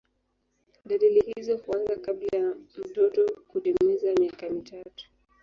Dalili hizo huanza kabla ya mtoto kutimiza miaka mitatu.